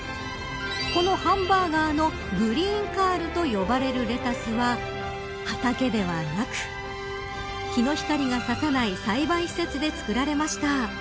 このハンバーガーのグリーンカールと呼ばれるレタスは畑ではなく日の光が差さない栽培施設で作られました。